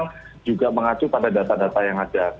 ada juga yang mengacu pada data data yang ada